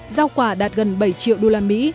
giao quả đạt gần bảy triệu usd